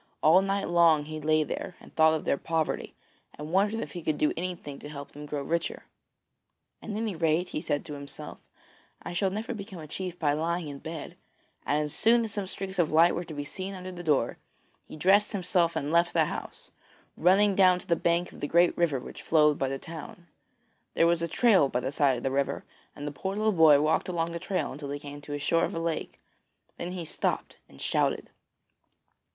All night long he lay there and thought of their poverty, and wondered if he could do anything to help them to grow richer. 'At any rate,' he said to himself, 'I shall never become a chief by lying in bed,' and as soon as some streaks of light were to be seen under the door, he dressed himself and left the house, running down to the bank of the great river which flowed by the town. There was a trail by the side of the river, and the poor little boy walked along the trail till he came to the shore of a lake; then he stopped and shouted.